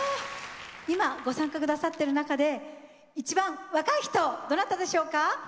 今ご参加下さってる中で一番若い人どなたでしょうか？